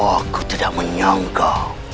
aku tidak menyangka